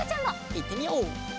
いってみよう！